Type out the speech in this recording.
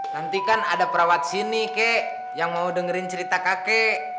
nanti kan ada perawat sini kek yang mau dengerin cerita kakek